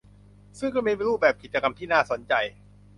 ซึ่งก็มีรูปแบบกิจกรรมที่น่าสนใจ